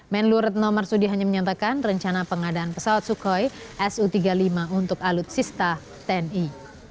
menlu retno marsudi hanya menyatakan rencana pengadaan pesawat sukhoi su tiga puluh lima untuk alutsista tni